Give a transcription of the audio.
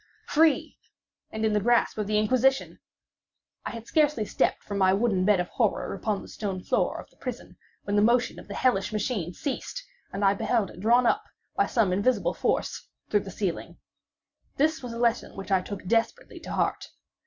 Free!—and in the grasp of the Inquisition! I had scarcely stepped from my wooden bed of horror upon the stone floor of the prison, when the motion of the hellish machine ceased and I beheld it drawn up, by some invisible force, through the ceiling. This was a lesson which I took desperately to heart.